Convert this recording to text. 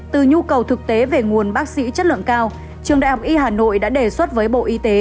từ nhu cầu thực tế về nguồn bác sĩ chất lượng cao trường đại học y hà nội đã đề xuất với bộ y tế